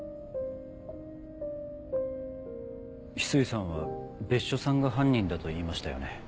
翡翠さんは別所さんが犯人だと言いましたよね。